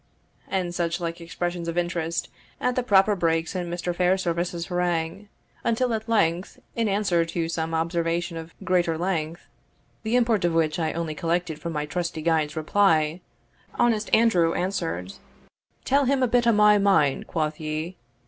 and suchlike expressions of interest, at the proper breaks in Mr. Fairservice's harangue, until at length, in answer to some observation of greater length, the import of which I only collected from my trusty guide's reply, honest Andrew answered, "Tell him a bit o'my mind, quoth ye?